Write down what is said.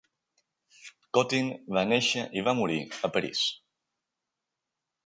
Cotin va néixer i va morir a París.